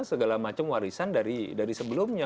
segala macam warisan dari sebelumnya